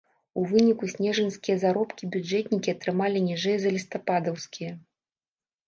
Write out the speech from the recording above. У выніку снежаньскія заробкі бюджэтнікі атрымалі ніжэй за лістападаўскія.